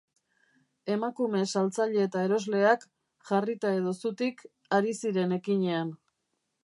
Emakume saltzaile eta erosleak, jarrita edo zutik, ari ziren ekinean.